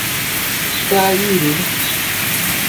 Cairu